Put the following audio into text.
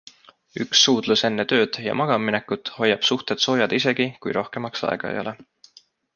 Üks suudlus enne tööd ja magamaminekut hoiab suhted soojad isegi, kui rohkemaks aega ei ole.